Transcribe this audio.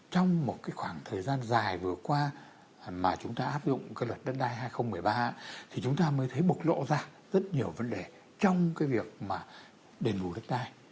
trong một cái khoảng thời gian dài vừa qua mà chúng ta áp dụng cái luật đất đai hai nghìn một mươi ba thì chúng ta mới thấy bộc lộ ra rất nhiều vấn đề trong cái việc mà đền bù đất đai